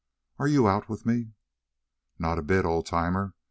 Are you out with me?" "Not a bit, old timer.